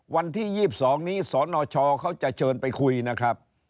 วันที่๒๒นี้สนชเขาจะเชิญไปคุยนะครับ